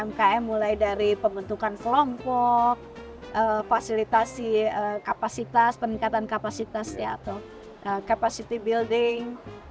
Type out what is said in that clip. umkm mulai dari pembentukan kelompok fasilitasi kapasitas peningkatan kapasitas atau capacity building